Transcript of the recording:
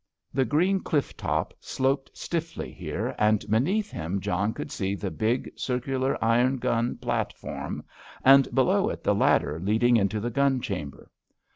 The green cliff top sloped stiffly here, and beneath him John could see the big, circular iron gun platform, and below it the ladder leading into the gun chamber.